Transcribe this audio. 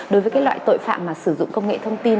đối với loại tội phạm mà sử dụng công nghệ thông tin